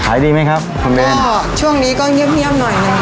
ขายดีไหมครับคุณเบนช่วงนี้ก็เงียบหน่อยนึงค่ะ